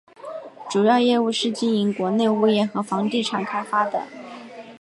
主要业务是经营国内物业和房地产开发的。